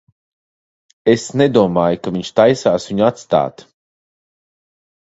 Es nedomāju, ka viņš taisās viņu atstāt.